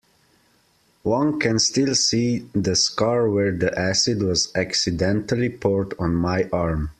One can still see the scar where the acid was accidentally poured on my arm.